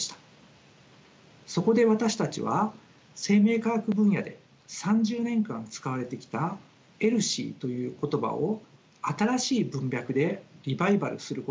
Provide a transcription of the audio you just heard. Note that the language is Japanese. そこで私たちは生命科学分野で３０年間使われてきたＥＬＳＩという言葉を新しい文脈でリバイバルすることを試みています。